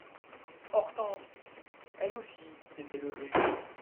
Hortense, elle aussi, s'était levée.